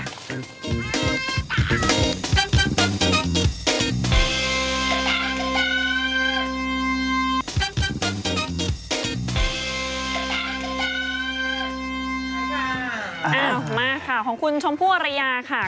อ้าวมาข่าวของคุณชมพู่อรยาค่ะ